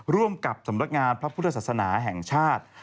ร่วมกับสำนักงานพระพุทธศาสนาแห่งชาติ